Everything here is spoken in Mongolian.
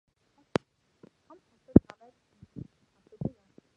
Том хотуудад намайг бүртгэж авдаггүй юм.